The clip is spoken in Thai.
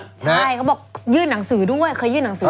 ใช่เขาบอกยื่นหนังสือด้วยเคยยื่นหนังสือ